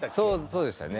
そうでしたね。